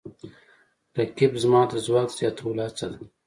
رقیب زما د ځواک د زیاتولو هڅه ده